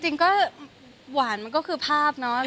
จริงก็หวานมันก็คือภาพเนาะ